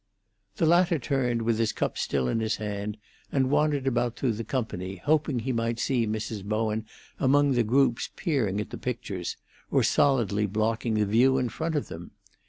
The latter turned, with his cup still in his hand, and wandered about through the company, hoping he might see Mrs. Bowen among the groups peering at the pictures or solidly blocking the view in front of them.